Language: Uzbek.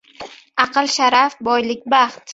• Aql ― sharaf, boylik ― baxt.